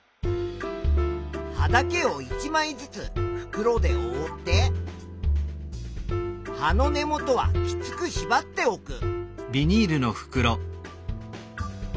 葉だけを１まいずつ袋でおおって葉の根元はきつくしばっておく。